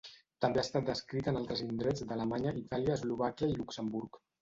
També ha estat descrita en altres indrets d'Alemanya, Itàlia, Eslovàquia i Luxemburg.